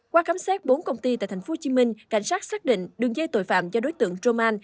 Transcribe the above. qua khám xét bốn công ty tại thành phố hồ chí minh cảnh sát xác định đường dây tội phạm do đối tượng romain